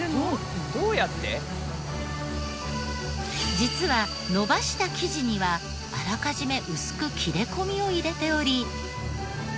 実はのばした生地にはあらかじめ薄く切れ込みを入れており。